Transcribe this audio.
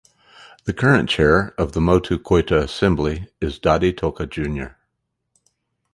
The current Chair of the Motu Koita Assembly is Dadi Toka Jr.